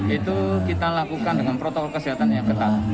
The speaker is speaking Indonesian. itu kita lakukan dengan protokol kesehatan yang ketat